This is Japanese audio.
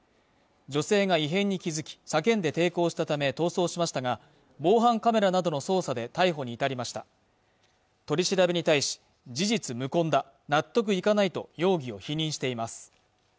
女性が異変に気付き叫んで抵抗したため逃走しましたが防犯カメラなどの捜査で逮捕に至りました取り調べに対し事実無根だ納得いかないと容疑を否認しています